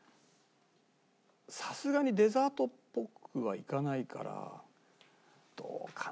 さすがにデザートっぽくはいかないからどうかな？